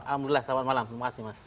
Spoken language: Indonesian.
alhamdulillah selamat malam terima kasih mas